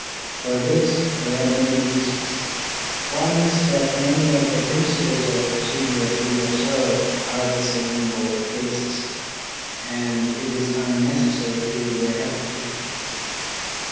For this there are many reasons. One is that many of the principles of procedure to be observed are the same in both cases, and it is unnecessary to recapitulate.